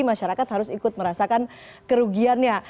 masyarakat harus ikut merasakan kerugiannya